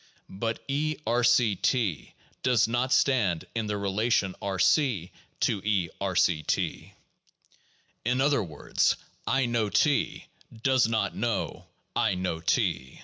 But {E)R°{T) does not stand in the relation R c to (E)R C (T) ; in other words, I know T does not know I know T.